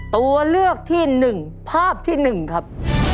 ตัวเลือกที่หนึ่งภาพที่หนึ่งครับ